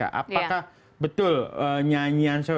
apakah betul nyanyian